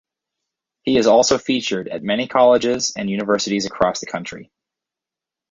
He has also featured at many colleges and universities across the country.